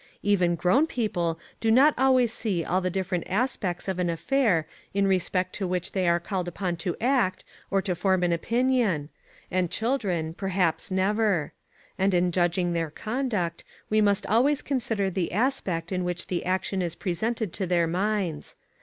Even grown people do not always see all the different aspects of an affair in respect to which they are called upon to act or to form an opinion, and children, perhaps, never; and in judging their conduct, we must always consider the aspect in which the action is presented to their minds.